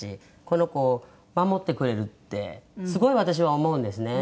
この子を守ってくれるってすごい私は思うんですね。